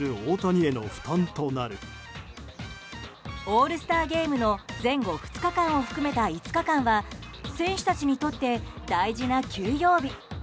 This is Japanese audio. オールスターゲームの前後２日間を含めた５日間は選手たちにとって大事な休養日。